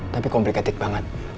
tapi komplikatif banget